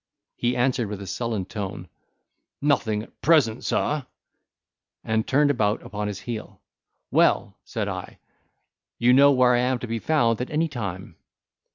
He answered with a sullen tone, "Nothing, at present, sir;" and turned about upon his heel. "Well," said I, "you know where I am to be found at any time."